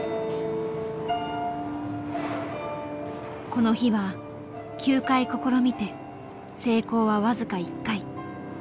この日は９回試みて成功は僅か１回。